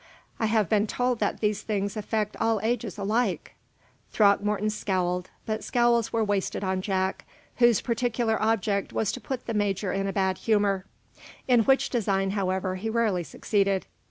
"I have been told that these things affect all ages alike." Throckmorton scowled, but scowls were wasted on Jack, whose particular object was to put the major in a bad humor; in which design, however, he rarely succeeded.